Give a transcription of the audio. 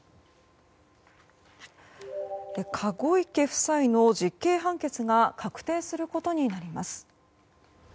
籠池夫妻の実刑判決が確定することになります。